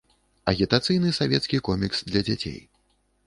Агітацыйны савецкі комікс для дзяцей.